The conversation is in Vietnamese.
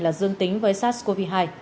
là dương tính với sars cov hai